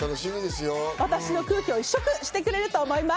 私の空気をいっしょくしてくれると思います。